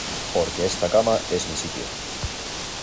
Porque esta cama es mi sitio.